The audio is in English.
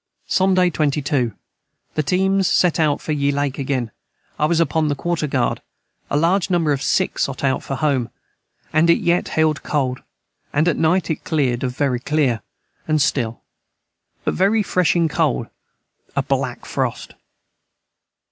Sonday 22. The teams set out for ye Lake again I was upon the quarter guard a large number of sick sot out for Home & it yet held cold & at night it cleared of very clear & stil but very fresing cold & a black frost.